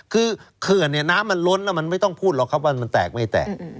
คือเผื่อน้ำมันล้นมันไม่ต้องพูดหรอกครับว่ามันแตกไม่แตก